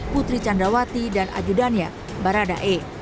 putri candawati dan ajudania baradae